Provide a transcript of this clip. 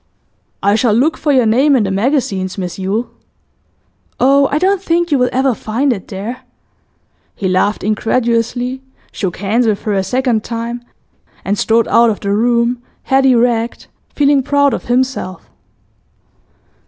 'I shall look for your name in the magazines, Miss Yule.' 'Oh, I don't think you will ever find it there.' He laughed incredulously, shook hands with her a second time, and strode out of the room, head erect feeling proud of himself.